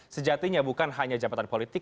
sejatinya bukan hanya jabatan politik